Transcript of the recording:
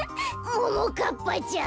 ももかっぱちゃん。